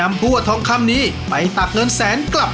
มันต้องได้ดิครับ